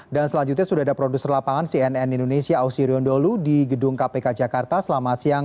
dan selanjutnya sudah ada produser lapangan cnn indonesia aosirion dholu di gedung kpk jakarta selamat siang